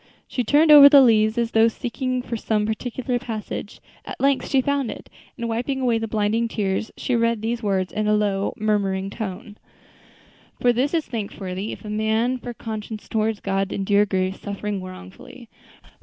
She turned over the leaves as though seeking for some particular passage; at length she found it, and wiping away the blinding tears, she read these words in a low, murmuring tone: "For this is thankworthy, if a man for conscience toward God endure grief, suffering wrongfully.